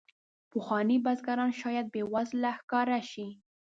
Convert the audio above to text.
پخواني بزګران شاید بې وزله ښکاره شي.